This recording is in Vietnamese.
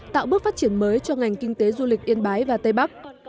tạo bước phát triển mới cho ngành kinh tế du lịch yên bái và tây bắc